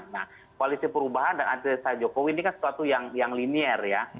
nah koalisi perubahan dan anti tesa jokowi ini kan sesuatu yang linier ya